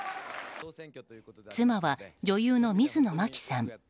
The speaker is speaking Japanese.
妻は女優の水野真紀さん。